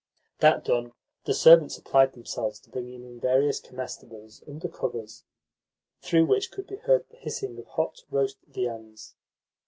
That done, the servants applied themselves to bringing in various comestibles under covers, through which could be heard the hissing of hot roast viands.